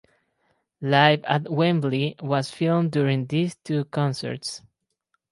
"Live at Wembley" was filmed during these two concerts.